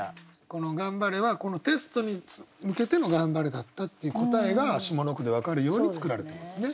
この「頑張れ」はテストに向けての「頑張れ」だったっていう答えが下の句で分かるように作られてますね。